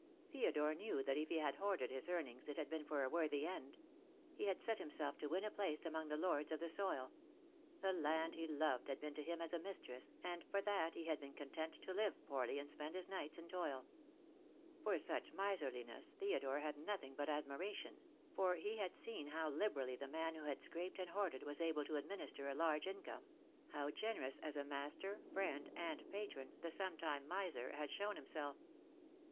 Theodore knew that if he had hoarded his earn ings it had been for a worthy end. He had set himself to win a place among the lords of the soil. The land THE DAY WILL COME. 243 he loved had been to him as a mistress, and for that he had been content to live poorly and spend his nights in toil. For such miserliness Theodore had nothing but ad miration; for he had seen how liberally the man who had scraped and hoarded was able to administer a large in come— how generous as a master, friend, and patron the sometime miser had shown himself.